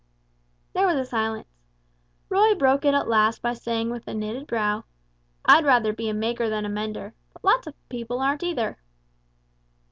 There was silence: Roy broke it at last by saying with knitted brow, "I'd rather be a maker than a mender, but lots of people aren't either."